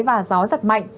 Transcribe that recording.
và gió giật mạnh